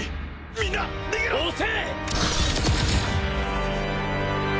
みんな逃げろ押せ！